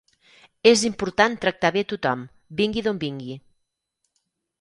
És important tractar bé tothom, vingui d'on vingui.